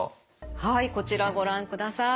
はいこちらご覧ください。